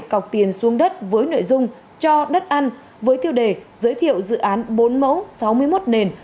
cọc tiền xuống đất với nội dung cho đất ăn với tiêu đề giới thiệu dự án bốn mẫu sáu mươi một nền